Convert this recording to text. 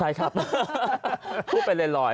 ใช่ครับพูดไปเลยหลอย